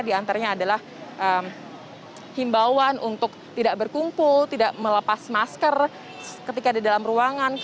di antaranya adalah himbauan untuk tidak berkumpul tidak melepas masker ketika di dalam ruangan